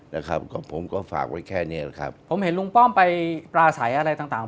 นะครับก็ผมก็ฝากไว้แค่เนี้ยแหละครับผมเห็นลุงป้อมไปปราศัยอะไรต่างต่าง